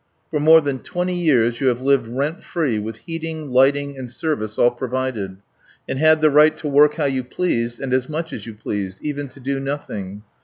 For more than twenty years you have lived rent free with heating, lighting, and service all provided, and had the right to work how you pleased and as much as you pleased, even to do nothing.